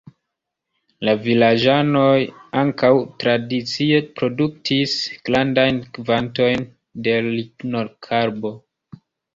La vilaĝanoj ankaŭ tradicie produktis grandajn kvantojn de Lignokarbo.